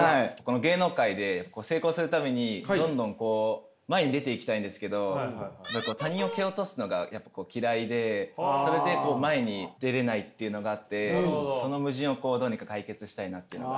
芸能界で成功するためにどんどん前に出ていきたいんですけど他人を蹴落とすのがやっぱ嫌いでそれで前に出れないっていうのがあってその矛盾をどうにか解決したいなっていうのが。